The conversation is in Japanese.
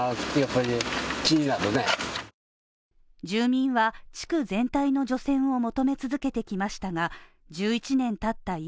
住民は地区全体の除染を求め続けてきましたが１１年たった